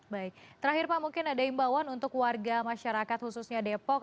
baik terakhir pak mungkin ada imbauan untuk warga masyarakat khususnya depok